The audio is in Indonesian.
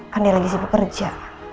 kan dia lagi sibuk kerja